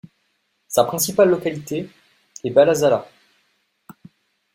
Sa principale localité est Ballasalla.